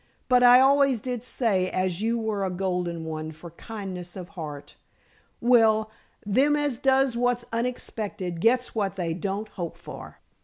"But I always did say as you were a golden one for kindness of heart. Well, them as does what's unexpected gets what they don't hope for."